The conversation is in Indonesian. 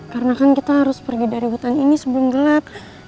karena kan kita harus pergi dari hutan ini sebelum gelap